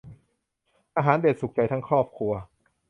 อาหารเด็ด สุขใจทั้งครอบครัว